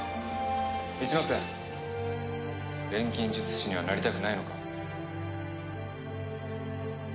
一ノ瀬錬金術師にはなりたくないのか？